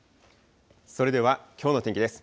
それではきょうの天気です。